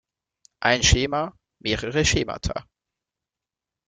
Ein Schema, mehrere Schemata.